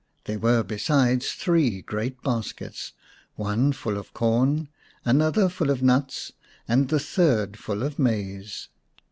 There were besides three great baskets, one full of corn, another full of nuts, and the third full of maize.